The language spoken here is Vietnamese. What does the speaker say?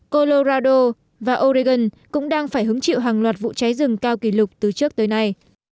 colorado và oregon cũng đang phải hứng chịu hàng loạt vụ cháy rừng cao kỷ lục từ trước tới nay